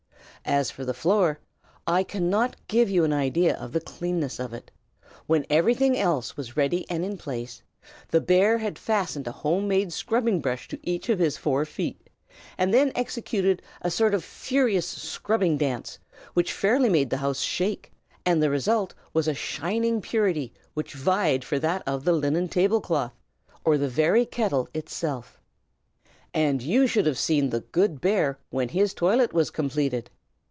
As for the floor, I cannot give you an idea of the cleanness of it. When everything else was ready and in place, the bear had fastened a homemade scrubbing brush to each of his four feet, and then executed a sort of furious scrubbing dance, which fairly made the house shake; and the result was a shining purity which vied with that of the linen table cloth, or the very kettle itself. And you should have seen the good bear, when his toilet was completed!